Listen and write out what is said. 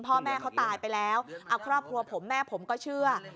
พ่อแม่เขาตายไปแล้วเอาครอบครัวผมแม่ผมก็เชื่อ